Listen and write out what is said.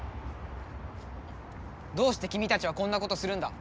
どうして君たちはこんなことするんだ！